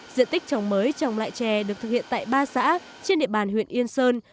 diện tích trồng mới trồng lại chè được thực hiện tại ba xã trên địa bàn huyện yên sơn